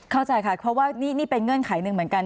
เข้าใจค่ะเพราะว่านี่เป็นเงื่อนไขหนึ่งเหมือนกัน